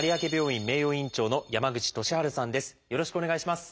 よろしくお願いします。